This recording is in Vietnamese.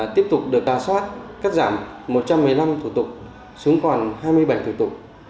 tiếp tục được tà soát cắt giảm một trăm một mươi năm thủ tục xuống còn hai mươi bảy thủ tục